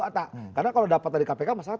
ada karena kalau dapat dari kpk masyarakat